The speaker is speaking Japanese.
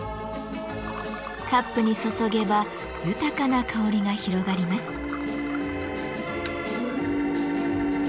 カップに注げば豊かな香りが広がります。